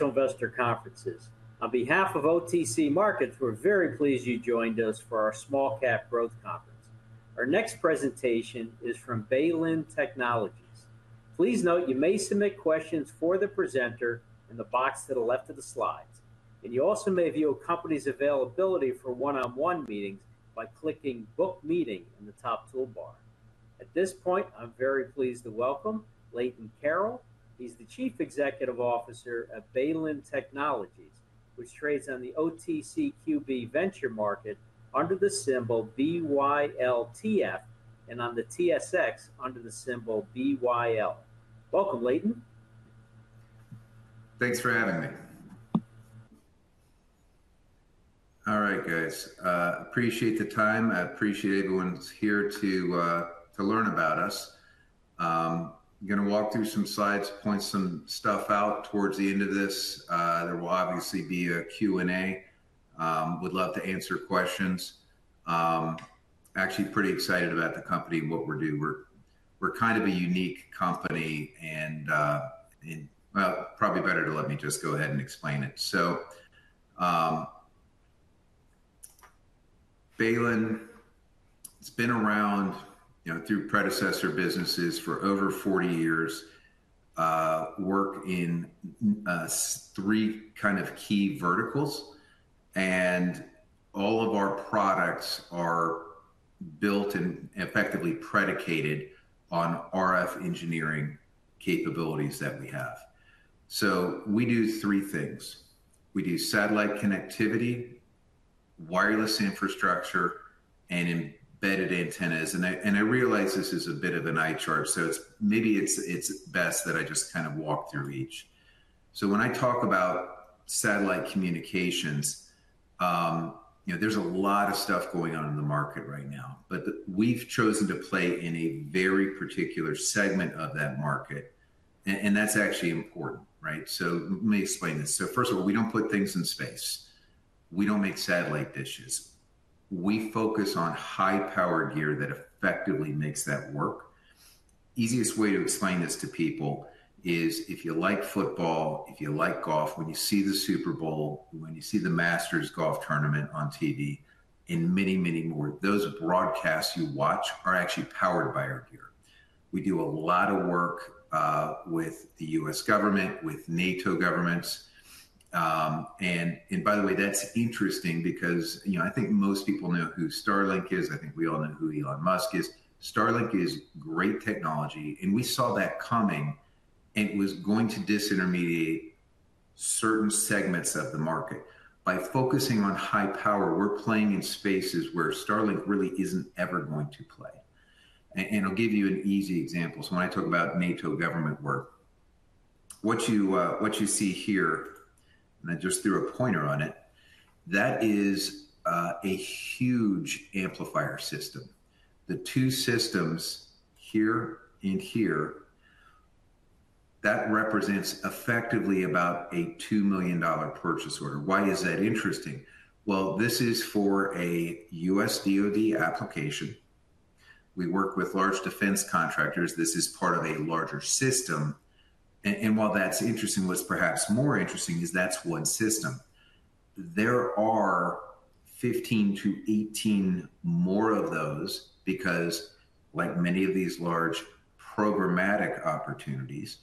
Investor conferences. On behalf of OTC Markets, we're very pleased you joined us for our Small Cap Growth Conference. Our next presentation is from Baylin Technologies. Please note you may submit questions for the presenter in the box to the left of the slides. You also may view a company's availability for one-on-one meetings by clicking "Book Meeting" in the top toolbar. At this point, I'm very pleased to welcome Leighton Carroll. He's the Chief Executive Officer at Baylin Technologies, which trades on the OTCQB Venture Market under the symbol BYLTF and on the TSX under the symbol BYL. Welcome, Leighton. Thanks for having me. All right, guys. Appreciate the time. I appreciate everyone's here to learn about us. I'm going to walk through some slides, point some stuff out towards the end of this. There will obviously be a Q&A. Would love to answer questions. Actually, pretty excited about the company and what we're doing. We're kind of a unique company. Probably better to let me just go ahead and explain it. Baylin, it's been around through predecessor businesses for over 40 years, work in three kind of key verticals. All of our products are built and effectively predicated on RF engineering capabilities that we have. We do three things. We do satellite connectivity, wireless infrastructure, and embedded antennas. I realize this is a bit of an eye chart, so maybe it's best that I just kind of walk through each. When I talk about satellite communications, there's a lot of stuff going on in the market right now. We have chosen to play in a very particular segment of that market. That's actually important, right? Let me explain this. First of all, we don't put things in space. We don't make satellite dishes. We focus on high-powered gear that effectively makes that work. Easiest way to explain this to people is if you like football, if you like golf, when you see the Super Bowl, when you see the Masters golf tournament on TV, and many, many more, those broadcasts you watch are actually powered by our gear. We do a lot of work with the U.S. government, with NATO governments. By the way, that's interesting because I think most people know who Starlink is. I think we all know who Elon Musk is. Starlink is great technology. We saw that coming. It was going to disintermediate certain segments of the market. By focusing on high power, we're playing in spaces where Starlink really is not ever going to play. I'll give you an easy example. When I talk about NATO government work, what you see here, and I just threw a pointer on it, that is a huge amplifier system. The two systems here and here, that represents effectively about a $2 million purchase order. Why is that interesting? This is for a U.S. DoD application. We work with large defense contractors. This is part of a larger system. What is perhaps more interesting is that is one system. There are 15-18 more of those because, like many of these large programmatic opportunities,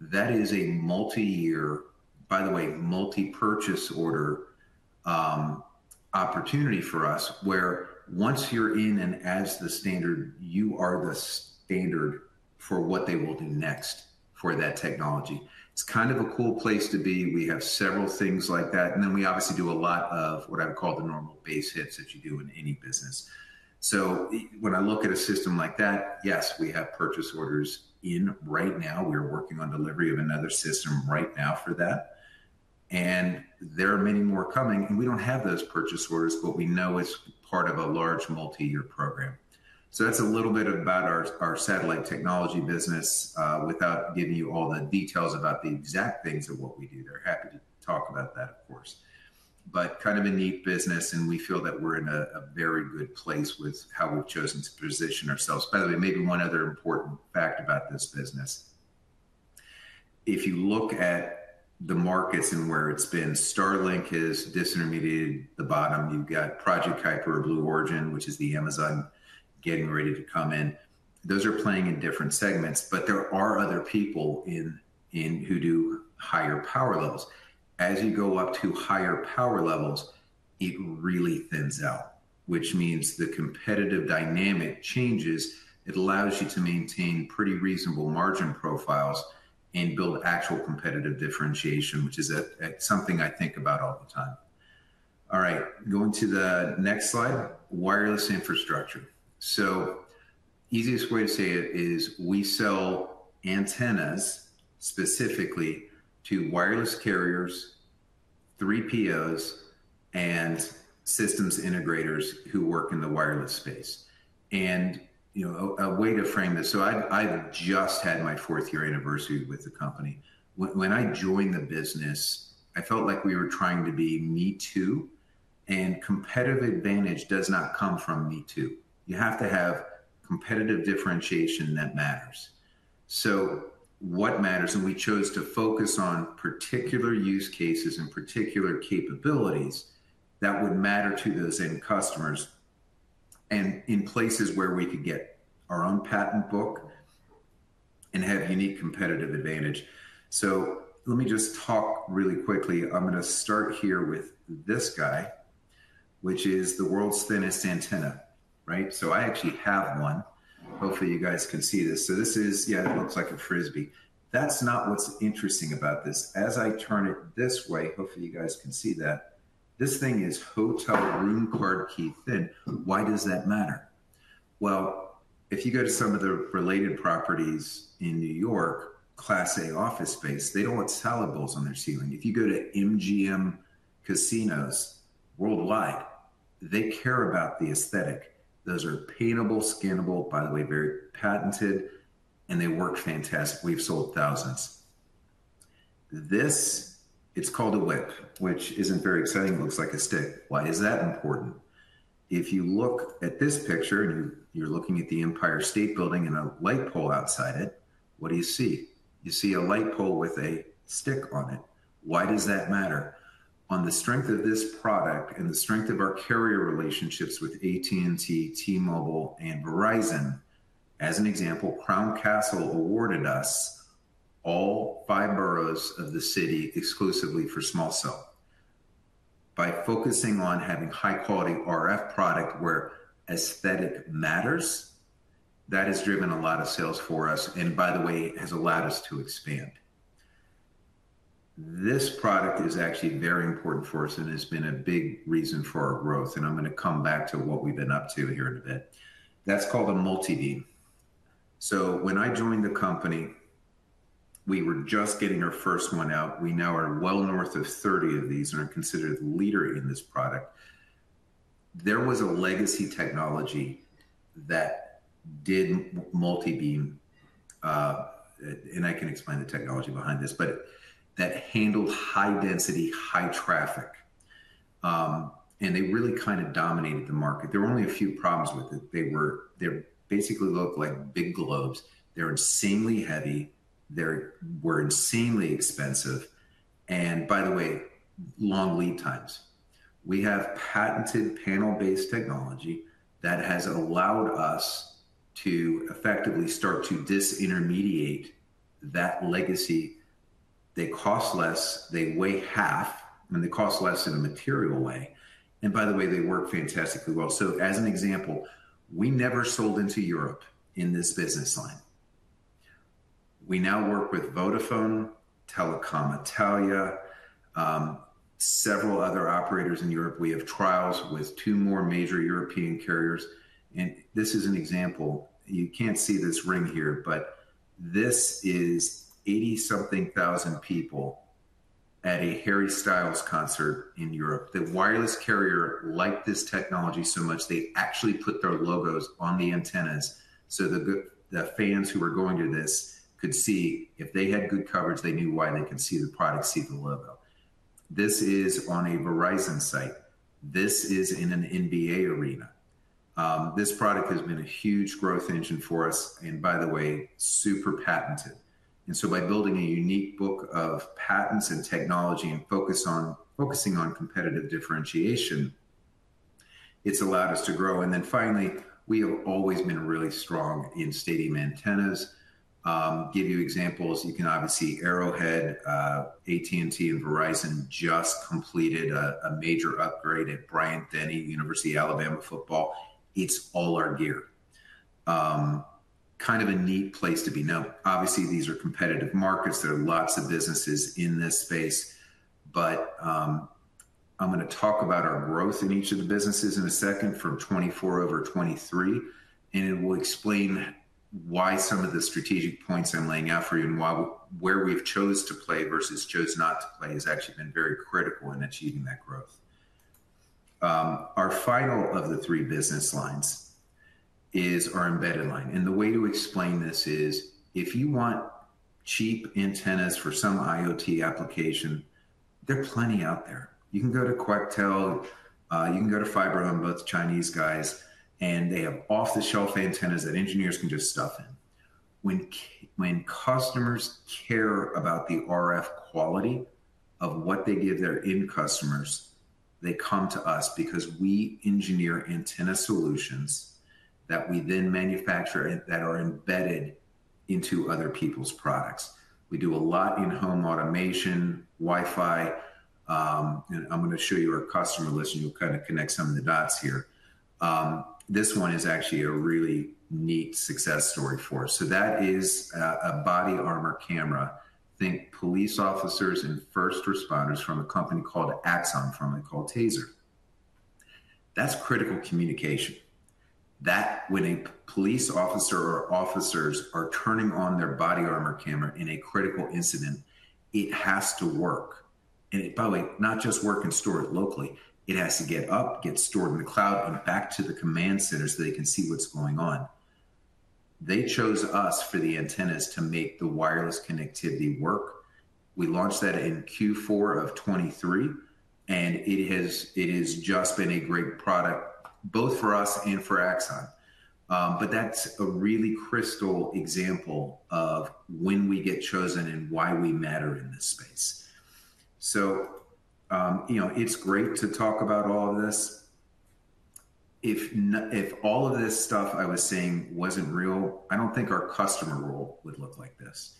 that is a multi-year, by the way, multi-purchase order opportunity for us, where once you're in and as the standard, you are the standard for what they will do next for that technology. It's kind of a cool place to be. We have several things like that. We obviously do a lot of what I would call the normal base hits that you do in any business. When I look at a system like that, yes, we have purchase orders in right now. We are working on delivery of another system right now for that. There are many more coming. We don't have those purchase orders, but we know it's part of a large multi-year program. That is a little bit about our satellite technology business without giving you all the details about the exact things of what we do there. Happy to talk about that, of course. Kind of a neat business. We feel that we are in a very good place with how we have chosen to position ourselves. By the way, maybe one other important fact about this business. If you look at the markets and where it has been, Starlink has disintermediated the bottom. You have got Project Kuiper or Blue Origin, which is the Amazon getting ready to come in. Those are playing in different segments. There are other people who do higher power levels. As you go up to higher power levels, it really thins out, which means the competitive dynamic changes. It allows you to maintain pretty reasonable margin profiles and build actual competitive differentiation, which is something I think about all the time. All right, going to the next slide, wireless infrastructure. The easiest way to say it is we sell antennas specifically to wireless carriers, 3POs, and systems integrators who work in the wireless space. A way to frame this, so I've just had my fourth year anniversary with the company. When I joined the business, I felt like we were trying to be me too. Competitive advantage does not come from me too. You have to have competitive differentiation that matters. What matters, and we chose to focus on particular use cases and particular capabilities that would matter to those end customers and in places where we could get our own patent book and have unique competitive advantage. Let me just talk really quickly. I'm going to start here with this guy, which is the world's thinnest antenna, right? I actually have one. Hopefully, you guys can see this. This is, yeah, it looks like a Frisbee. That's not what's interesting about this. As I turn it this way, hopefully, you guys can see that. This thing is hotel room card key thin. Why does that matter? If you go to some of the related properties in New York, Class A office space, they don't want sellables on their ceiling. If you go to MGM casinos worldwide, they care about the aesthetic. Those are paintable, scannable, by the way, very patented, and they work fantastic. We've sold thousands. This, it's called a whip, which isn't very exciting. It looks like a stick. Why is that important? If you look at this picture and you're looking at the Empire State Building and a light pole outside it, what do you see? You see a light pole with a stick on it. Why does that matter? On the strength of this product and the strength of our carrier relationships with AT&T, T-Mobile, and Verizon, as an example, Crown Castle awarded us all five boroughs of the city exclusively for small cell. By focusing on having high-quality RF product where aesthetic matters, that has driven a lot of sales for us. By the way, it has allowed us to expand. This product is actually very important for us and has been a big reason for our growth. I'm going to come back to what we've been up to here in a bit. That's called a multi-beam. When I joined the company, we were just getting our first one out. We now are well north of 30 of these and are considered leader in this product. There was a legacy technology that did multi-beam, and I can explain the technology behind this, but that handled high density, high traffic. They really kind of dominated the market. There were only a few problems with it. They basically look like big globes. They're insanely heavy. They were insanely expensive. By the way, long lead times. We have patented panel-based technology that has allowed us to effectively start to disintermediate that legacy. They cost less. They weigh half. They cost less in a material way. By the way, they work fantastically well. As an example, we never sold into Europe in this business line. We now work with Vodafone, Telecom Italia, several other operators in Europe. We have trials with two more major European carriers. This is an example. You cannot see this ring here, but this is 80-something thousand people at a Harry Styles concert in Europe. The wireless carrier liked this technology so much they actually put their logos on the antennas so the fans who were going to this could see if they had good coverage, they knew why, they could see the product, see the logo. This is on a Verizon site. This is in an NBA arena. This product has been a huge growth engine for us. By the way, super patented. By building a unique book of patents and technology and focusing on competitive differentiation, it has allowed us to grow. Finally, we have always been really strong in stadium antennas. Give you examples. You can obviously see Arrowhead, AT&T, and Verizon just completed a major upgrade at Bryant-Denny, University of Alabama football. It's all our gear. Kind of a neat place to be known. Obviously, these are competitive markets. There are lots of businesses in this space. I'm going to talk about our growth in each of the businesses in a second from 2024 over 2023. It will explain why some of the strategic points I'm laying out for you and why where we've chosen to play versus chosen not to play has actually been very critical in achieving that growth. Our final of the three business lines is our embedded line. The way to explain this is if you want cheap antennas for some IoT application, there are plenty out there. You can go to Quectel. You can go to FiberHome, both Chinese guys. They have off-the-shelf antennas that engineers can just stuff in. When customers care about the RF quality of what they give their end customers, they come to us because we engineer antenna solutions that we then manufacture that are embedded into other people's products. We do a lot in home automation, Wi-Fi. I'm going to show you our customer list. You'll kind of connect some of the dots here. This one is actually a really neat success story for us. That is a body armor camera. Think police officers and first responders from a company called Axon, formerly called TASER. That's critical communication. When a police officer or officers are turning on their body armor camera in a critical incident, it has to work. By the way, not just work and store it locally. It has to get up, get stored in the cloud, and back to the command centers so they can see what's going on. They chose us for the antennas to make the wireless connectivity work. We launched that in Q4 of 2023. It has just been a great product both for us and for Axon. That is a really crystal example of when we get chosen and why we matter in this space. It is great to talk about all of this. If all of this stuff I was saying was not real, I do not think our customer role would look like this.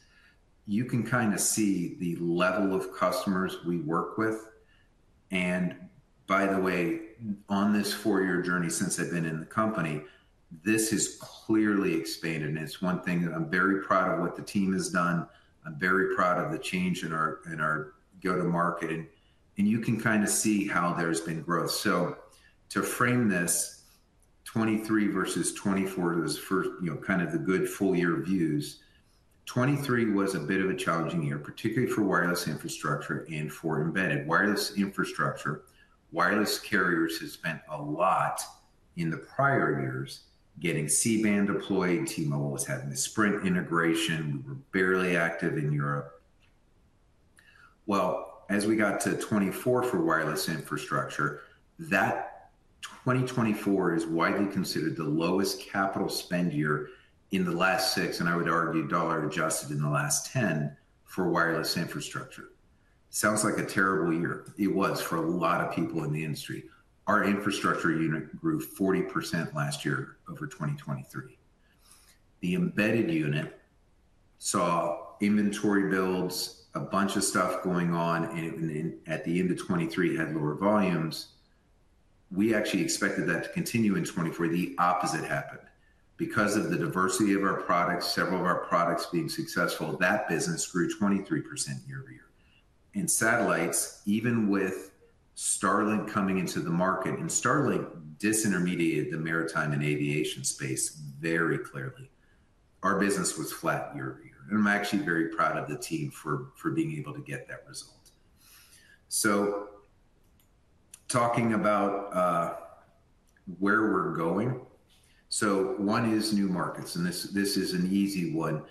You can kind of see the level of customers we work with. By the way, on this four-year journey since I have been in the company, this has clearly expanded. It is one thing that I am very proud of what the team has done. I'm very proud of the change in our go-to-market. And you can kind of see how there's been growth. To frame this, 2023 versus 2024 was kind of the good full-year views. 2023 was a bit of a challenging year, particularly for wireless infrastructure and for embedded wireless infrastructure. Wireless carriers had spent a lot in the prior years getting C-band deployed. T-Mobile was having a Sprint integration. We were barely active in Europe. As we got to 2024 for wireless infrastructure, that 2024 is widely considered the lowest capital spend year in the last six, and I would argue dollar adjusted in the last 10 for wireless infrastructure. Sounds like a terrible year. It was for a lot of people in the industry. Our infrastructure unit grew 40% last year over 2023. The embedded unit saw inventory builds, a bunch of stuff going on. At the end of 2023, it had lower volumes. We actually expected that to continue in 2024. The opposite happened. Because of the diversity of our products, several of our products being successful, that business grew 23% year over year. And satellites, even with Starlink coming into the market, and Starlink disintermediated the maritime and aviation space very clearly. Our business was flat year over year. I'm actually very proud of the team for being able to get that result. Talking about where we're going, one is new markets. This is an easy one.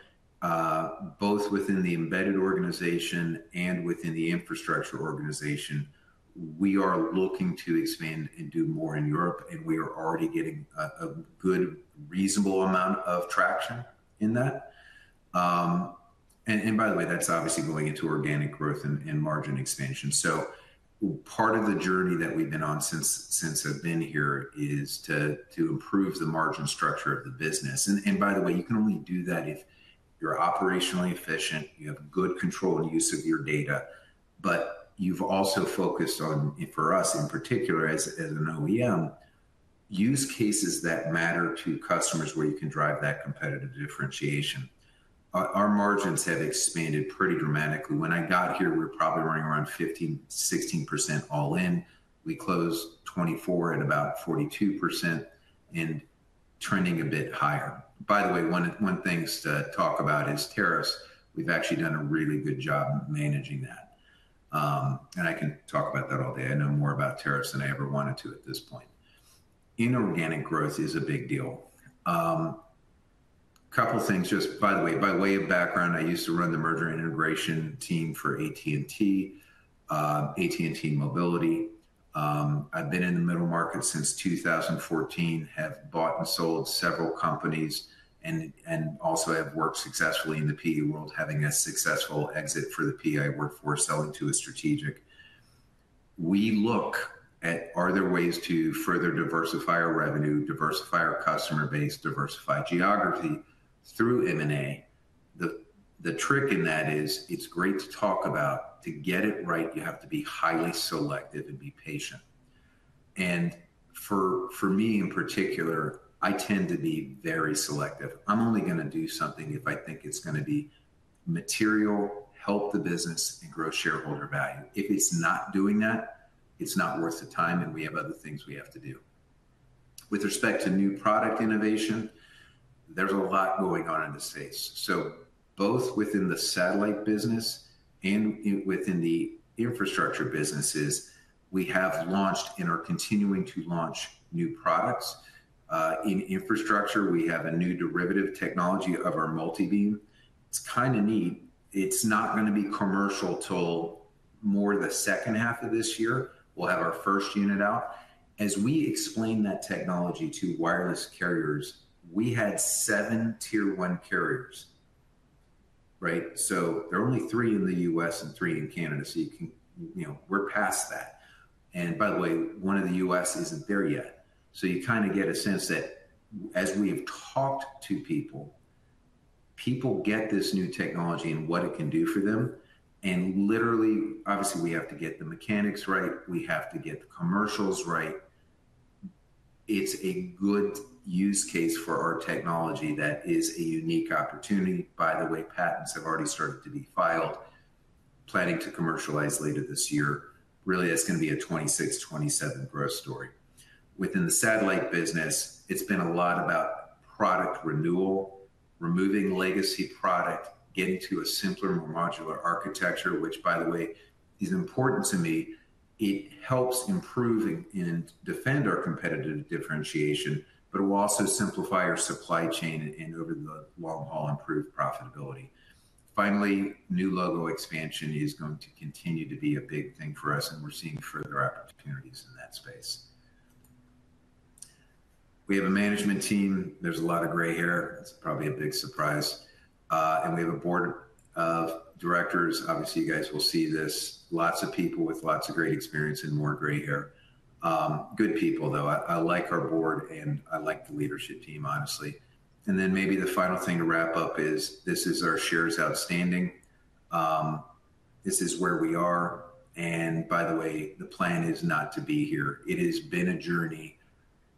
Both within the embedded organization and within the infrastructure organization, we are looking to expand and do more in Europe. We are already getting a good reasonable amount of traction in that. By the way, that's obviously going into organic growth and margin expansion. Part of the journey that we've been on since I've been here is to improve the margin structure of the business. By the way, you can only do that if you're operationally efficient, you have good control and use of your data. You've also focused on, for us in particular as an OEM, use cases that matter to customers where you can drive that competitive differentiation. Our margins have expanded pretty dramatically. When I got here, we were probably running around 15%-16% all in. We closed 2024 at about 42% and trending a bit higher. By the way, one of the things to talk about is tariffs. We've actually done a really good job managing that. I can talk about that all day. I know more about tariffs than I ever wanted to at this point. Inorganic growth is a big deal. A couple of things just by the way, by way of background, I used to run the merger integration team for AT&T, AT&T Mobility. I've been in the middle market since 2014, have bought and sold several companies, and also have worked successfully in the PE world, having a successful exit for the PI workforce selling to a strategic. We look at are there ways to further diversify our revenue, diversify our customer base, diversify geography through M&A. The trick in that is it's great to talk about. To get it right, you have to be highly selective and be patient. For me in particular, I tend to be very selective. I'm only going to do something if I think it's going to be material, help the business, and grow shareholder value. If it's not doing that, it's not worth the time. We have other things we have to do. With respect to new product innovation, there is a lot going on in the space. Both within the satellite business and within the infrastructure businesses, we have launched and are continuing to launch new products. In infrastructure, we have a new derivative technology of our multi-beam. It is kind of neat. It is not going to be commercial till more the second half of this year. We will have our first unit out. As we explain that technology to wireless carriers, we had seven tier one carriers, right? There are only three in the U.S. and three in Canada. We are past that. By the way, one of the U.S. is not there yet. You kind of get a sense that as we have talked to people, people get this new technology and what it can do for them. Literally, obviously, we have to get the mechanics right. We have to get the commercials right. It's a good use case for our technology that is a unique opportunity. By the way, patents have already started to be filed, planning to commercialize later this year. Really, it's going to be a 2026, 2027 growth story. Within the satellite business, it's been a lot about product renewal, removing legacy product, getting to a simpler, more modular architecture, which, by the way, is important to me. It helps improve and defend our competitive differentiation, but it will also simplify our supply chain and over the long haul, improve profitability. Finally, new logo expansion is going to continue to be a big thing for us. We're seeing further opportunities in that space. We have a management team. There's a lot of gray hair. It's probably a big surprise. We have a board of directors. Obviously, you guys will see this. Lots of people with lots of great experience and more gray hair. Good people, though. I like our board. I like the leadership team, honestly. Maybe the final thing to wrap up is this is our shares outstanding. This is where we are. By the way, the plan is not to be here. It has been a journey.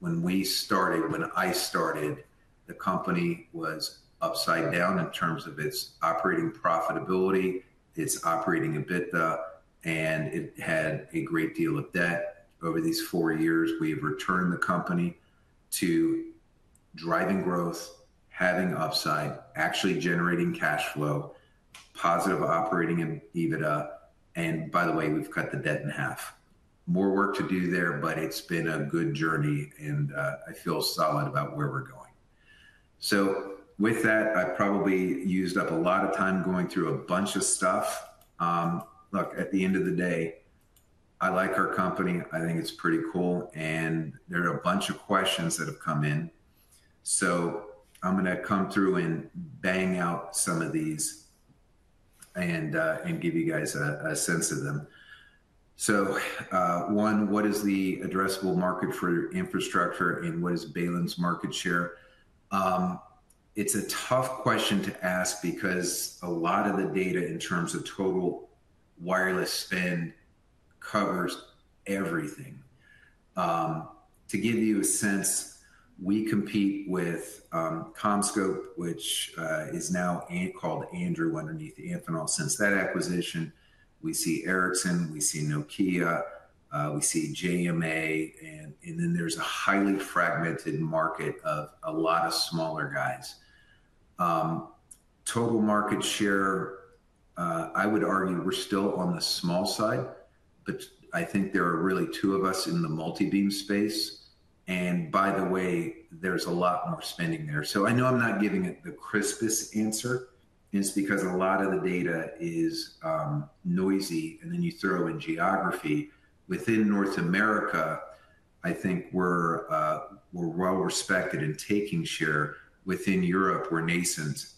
When we started, when I started, the company was upside down in terms of its operating profitability, its operating EBITDA. It had a great deal of debt. Over these four years, we have returned the company to driving growth, having upside, actually generating cash flow, positive operating EBITDA. By the way, we have cut the debt in half. More work to do there, but it has been a good journey. I feel solid about where we're going. With that, I probably used up a lot of time going through a bunch of stuff. Look, at the end of the day, I like our company. I think it's pretty cool. There are a bunch of questions that have come in. I'm going to come through and bang out some of these and give you guys a sense of them. One, what is the addressable market for infrastructure? And what is Baylin's market share? It's a tough question to ask because a lot of the data in terms of total wireless spend covers everything. To give you a sense, we compete with CommScope, which is now called Andrew underneath Amphenol. Since that acquisition, we see Ericsson. We see Nokia. We see JMA. Then there's a highly fragmented market of a lot of smaller guys. Total market share, I would argue we're still on the small side. I think there are really two of us in the multi-beam space. By the way, there's a lot more spending there. I know I'm not giving it the crispest answer. It's because a lot of the data is noisy. You throw in geography. Within North America, I think we're well respected and taking share. Within Europe, we're nascent.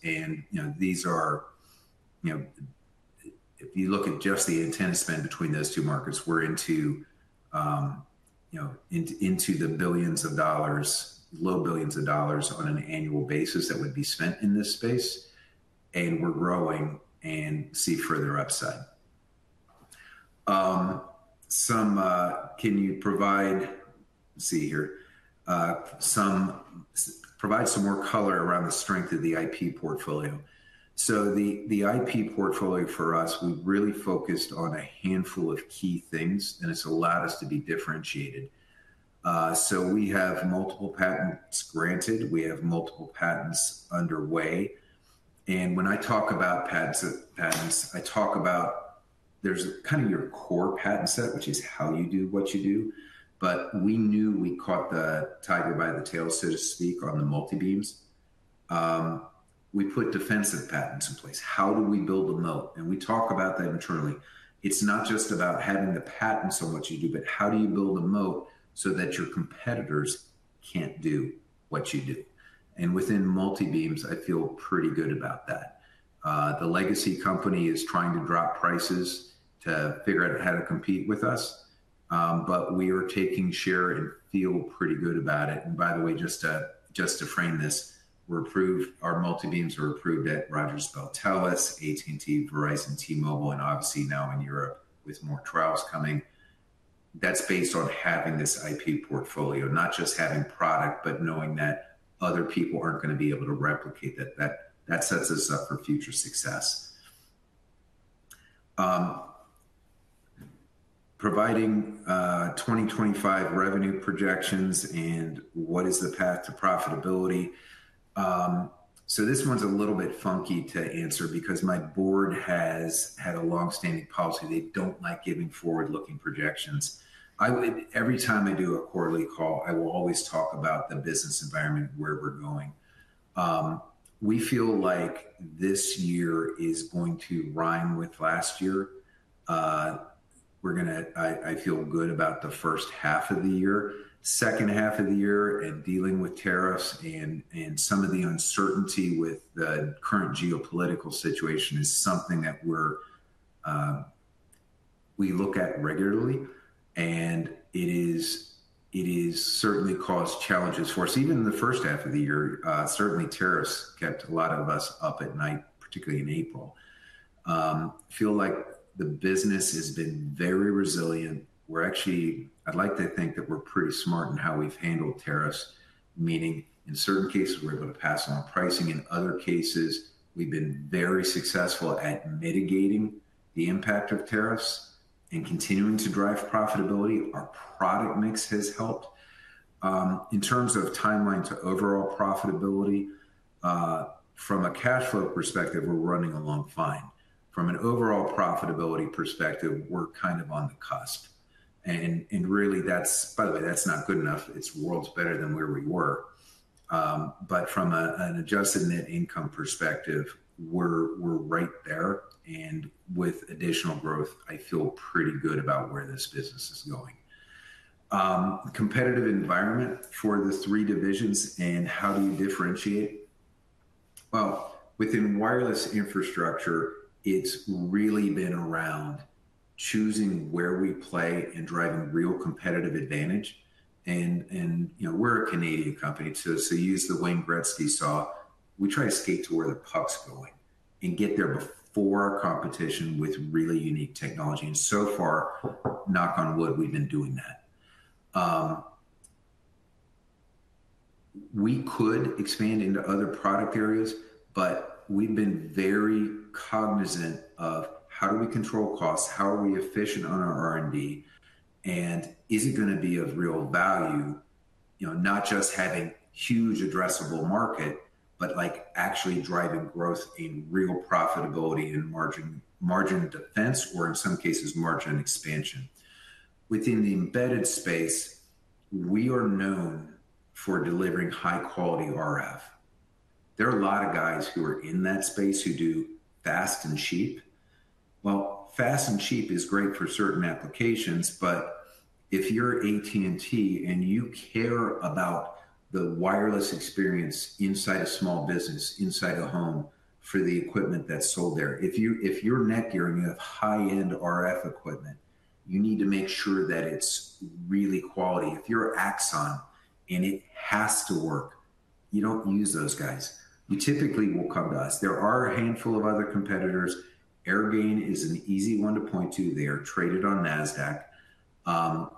If you look at just the antenna spend between those two markets, we're into the billions of dollars, low billions of dollars on an annual basis that would be spent in this space. We're growing and see further upside. Can you provide—let's see here—provide some more color around the strength of the IP portfolio? The IP portfolio for us, we really focused on a handful of key things. It has allowed us to be differentiated. We have multiple patents granted. We have multiple patents underway. When I talk about patents, I talk about there is kind of your core patent set, which is how you do what you do. We knew we caught the tiger by the tail, so to speak, on the multi-beams. We put defensive patents in place. How do we build a moat? We talk about that internally. It is not just about having the patents on what you do, but how do you build a moat so that your competitors cannot do what you do? Within multi-beams, I feel pretty good about that. The legacy company is trying to drop prices to figure out how to compete with us. We are taking share and feel pretty good about it. By the way, just to frame this, our multi-beams are approved at Rogers, Bell, Telus, AT&T, Verizon, T-Mobile, and obviously now in Europe with more trials coming. That is based on having this IP portfolio, not just having product, but knowing that other people are not going to be able to replicate that. That sets us up for future success. Providing 2025 revenue projections and what is the path to profitability. This one is a little bit funky to answer because my board has had a long-standing policy. They do not like giving forward-looking projections. Every time I do a quarterly call, I will always talk about the business environment where we are going. We feel like this year is going to rhyme with last year. We are going to—I feel good about the first half of the year. Second half of the year and dealing with tariffs and some of the uncertainty with the current geopolitical situation is something that we look at regularly. It has certainly caused challenges for us. Even in the first half of the year, certainly tariffs kept a lot of us up at night, particularly in April. I feel like the business has been very resilient. I'd like to think that we're pretty smart in how we've handled tariffs, meaning in certain cases, we're able to pass on pricing. In other cases, we've been very successful at mitigating the impact of tariffs and continuing to drive profitability. Our product mix has helped. In terms of timeline to overall profitability, from a cash flow perspective, we're running along fine. From an overall profitability perspective, we're kind of on the cusp. Really, by the way, that's not good enough. It's worlds better than where we were. From an adjusted net income perspective, we're right there. With additional growth, I feel pretty good about where this business is going. Competitive environment for the three divisions and how do you differentiate? Within wireless infrastructure, it's really been around choosing where we play and driving real competitive advantage. We're a Canadian company. Use the Wayne Gretzky saw. We try to skate to where the puck's going and get there before competition with really unique technology. So far, knock on wood, we've been doing that. We could expand into other product areas, but we've been very cognizant of how do we control costs? How are we efficient on our R&D? Is it going to be of real value, not just having huge addressable market, but actually driving growth in real profitability and margin defense, or in some cases, margin expansion? Within the embedded space, we are known for delivering high-quality RF. There are a lot of guys who are in that space who do fast and cheap. Fast and cheap is great for certain applications. If you are AT&T and you care about the wireless experience inside a small business, inside a home for the equipment that is sold there, if you are NETGEAR and you have high-end RF equipment, you need to make sure that it is really quality. If you are Axon and it has to work, you do not use those guys. You typically will come to us. There are a handful of other competitors. Airgain is an easy one to point to. They are traded on NASDAQ.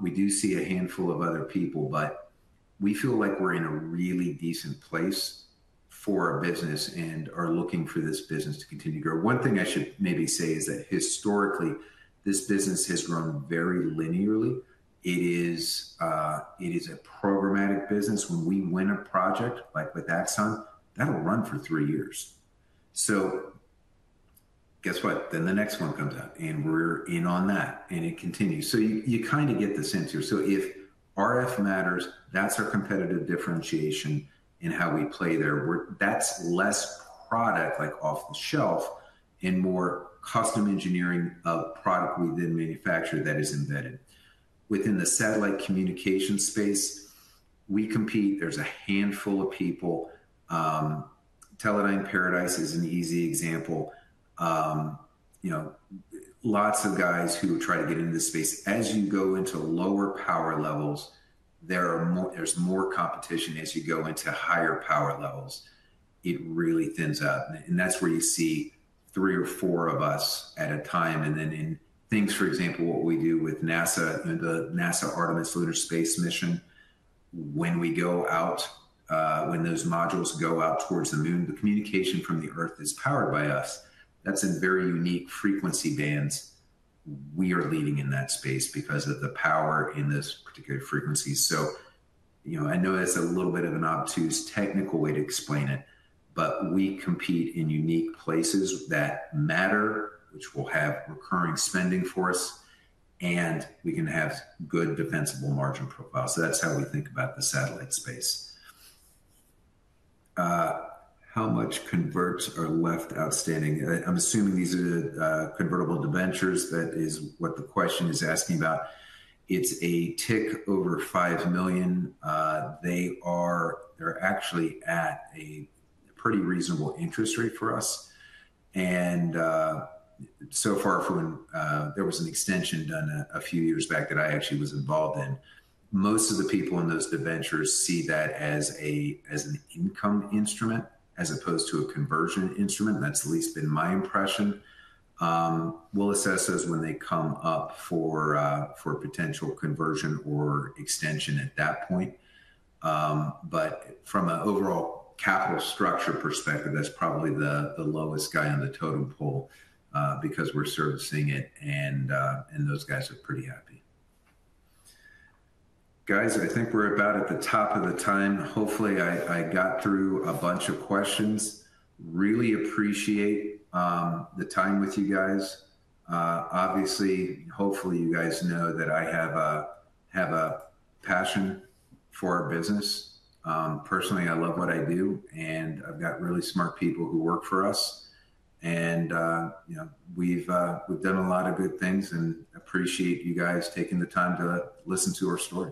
We do see a handful of other people, but we feel like we're in a really decent place for a business and are looking for this business to continue to grow. One thing I should maybe say is that historically, this business has grown very linearly. It is a programmatic business. When we win a project like with Axon, that'll run for three years. Guess what? The next one comes out. We're in on that. It continues. You kind of get the sense here. If RF matters, that's our competitive differentiation in how we play there. That's less product like off the shelf and more custom engineering of product we then manufacture that is embedded. Within the satellite communication space, we compete. There's a handful of people. Teledyne Paradise is an easy example. Lots of guys who try to get into the space. As you go into lower power levels, there's more competition. As you go into higher power levels, it really thins out. That is where you see three or four of us at a time. In things, for example, what we do with NASA, the NASA Artemis Lunar Space Mission, when we go out, when those modules go out towards the moon, the communication from the Earth is powered by us. That is in very unique frequency bands. We are leading in that space because of the power in those particular frequencies. I know that is a little bit of an obtuse technical way to explain it, but we compete in unique places that matter, which will have recurring spending for us. We can have good defensible margin profiles. That is how we think about the satellite space. How much converts are left outstanding? I'm assuming these are convertible debentures. That is what the question is asking about. It's a tick over $5 million. They're actually at a pretty reasonable interest rate for us. So far, there was an extension done a few years back that I actually was involved in. Most of the people in those debentures see that as an income instrument as opposed to a conversion instrument. That's at least been my impression. We'll assess those when they come up for potential conversion or extension at that point. From an overall capital structure perspective, that's probably the lowest guy on the totem pole because we're servicing it. Those guys are pretty happy. Guys, I think we're about at the top of the time. Hopefully, I got through a bunch of questions. Really appreciate the time with you guys. Obviously, hopefully, you guys know that I have a passion for our business. Personally, I love what I do. I have got really smart people who work for us. We have done a lot of good things. I appreciate you guys taking the time to listen to our story.